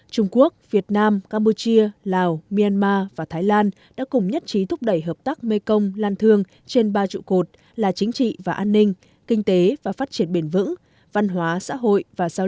trung quốc việt nam campuchia lào myanmar và thái lan đã cùng nhất trí thúc đẩy hợp tác mekong lan thương trên ba trụ cột là chính trị và an ninh kinh tế và phát triển bền vững văn hóa xã hội và giao